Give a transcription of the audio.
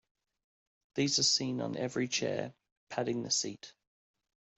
These are seen on every chair, padding the seat.